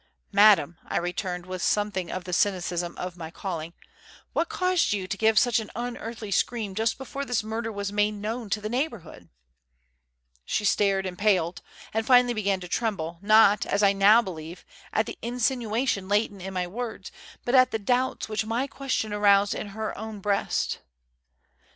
"Madam," I returned, with something of the cynicism of my calling, "what caused you to give such an unearthly scream just before this murder was made known to the neighbourhood?" She stared, paled, and finally began to tremble, not, as I now believe, at the insinuation latent in my words, but at the doubts which my question aroused in her own breast.